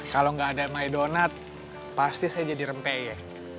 kalau nggak ada my donat pasti saya jadi rempey ya